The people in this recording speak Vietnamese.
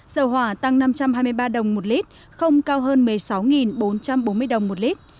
dầu hỏa tăng năm trăm hai mươi ba đồng một lít không cao hơn một mươi sáu bốn trăm bốn mươi đồng một lít